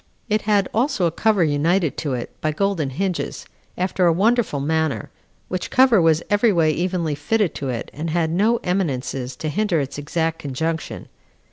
It had also a cover united to it, by golden hinges, after a wonderful manner; which cover was every way evenly fitted to it, and had no eminences to hinder its exact conjunction.